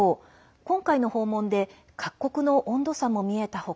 今回の訪問で各国の温度差も見えた他